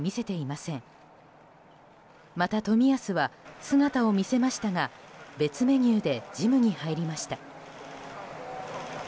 また、冨安は姿を見せましたが別メニューでジムに入りました。